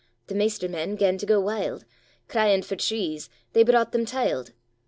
The maister men gan to ga wild, Cryand for trees, they brocht them tyld.